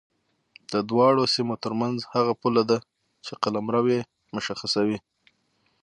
د دواړو سیمو ترمنځ هغه پوله ده چې قلمرو یې مشخصوي.